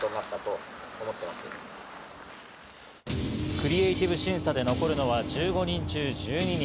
クリエイティブ審査で残るのは１５人中１２人。